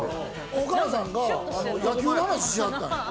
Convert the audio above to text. お母さんが野球の話ししはったんよ。